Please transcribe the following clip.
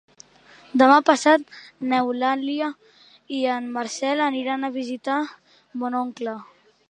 Demà passat n'Eulàlia i en Marcel aniran a visitar mon oncle.